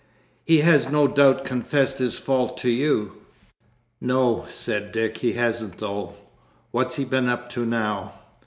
He has no doubt confessed his fault to you?" "No," said Dick, "he hasn't though. What's he been up to now?"